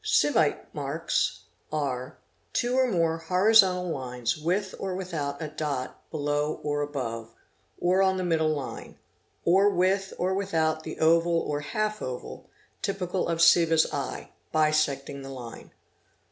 Sivite marks are: Two or more horizontal lines with or without a dot below or above, Pa Fn oa 846 CHEATING AND FRAUD .. or on the middle line, or with or without the oval or half oval, typical of Siva's eye, bisecting the line.